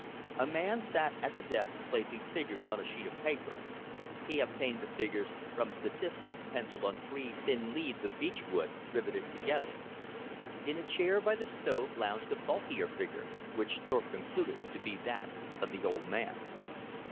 A man sat at the desk placing figures on a sheet of paper. He obtained the figures from statistics pencilled on three thin leaves of beech wood riveted together. In a chair by the stove lounged a bulkier figure, which Thorpe concluded to be that of the "old man."